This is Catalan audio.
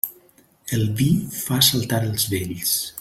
El vi fa saltar els vells.